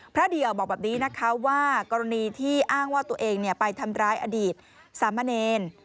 เดี่ยวบอกแบบนี้นะคะว่ากรณีที่อ้างว่าตัวเองไปทำร้ายอดีตสามเณร